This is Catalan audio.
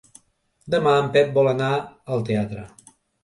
Demà en Pep vol anar al teatre.